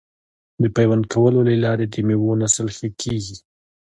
د پیوند کولو له لارې د میوو نسل ښه کیږي.